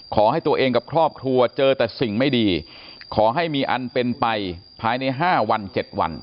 ขอให้ตัวเองกับครอบครัวเจอแต่สิ่งไม่ดีขอให้มีอันเป็นไปภายใน๕วัน๗วัน